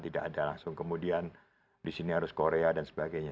tidak ada langsung kemudian disini harus korea dan sebagainya